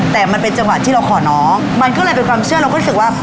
แต่มันเป็นจังหวะที่เราขอน้องมันก็เลยเป็นความเชื่อเราก็รู้สึกว่า